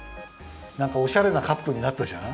なんかおしゃれなカップになったじゃん？